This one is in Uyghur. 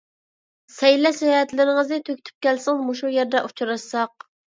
سەيلە - ساياھەتلىرىڭىزنى تۈگىتىپ كەلسىڭىز، مۇشۇ يەردە ئۇچراشساق.